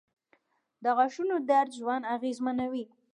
• د غاښونو درد ژوند اغېزمنوي.